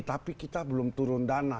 tapi kita belum turun dana